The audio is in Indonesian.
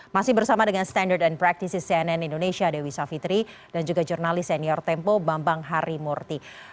masih bersama dengan standard and practices cnn indonesia dewi savitri dan juga jurnalis senior tempo bambang harimurti